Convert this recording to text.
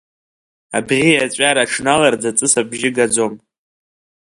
Абӷьиаҵәара аҽналарӡ аҵыс абжьы гаӡом.